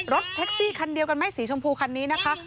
รถแท็กซี่คันเดียวกันไหมสีชมพูคันนี้นะคะ